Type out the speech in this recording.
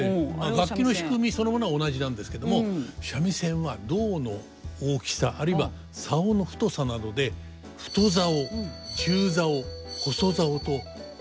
楽器の仕組みそのものは同じなんですけども三味線は胴の大きさあるいは棹の太さなどで太棹中棹細棹と大別されているわけです。